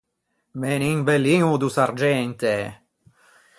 Me n’imbelliño do sargente!